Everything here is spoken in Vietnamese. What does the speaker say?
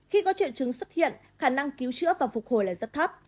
khi có triệu chứng xuất hiện khả năng cứu chữa và phục hồi là rất thấp